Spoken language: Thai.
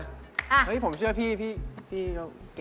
เฮ้ยผมเชื่อพี่ก็เก่งน่ะบ้าง